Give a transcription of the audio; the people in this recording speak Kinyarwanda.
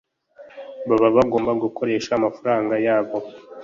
baba bagomba gukoresha amafaranga yabo